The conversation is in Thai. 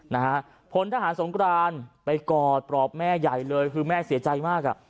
นะฮะพลทหารสงกรานไปกอดปลอบแม่ใหญ่เลยคือแม่เสียใจมากอ่ะ